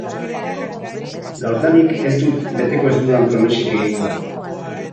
Gaurdanik ez dut beteko ez dudan promesik egingo.